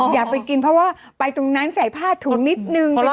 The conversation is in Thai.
อยากไปกินเพราะว่าไปตรงนั้นใส่ผ้าถุงนิดนึง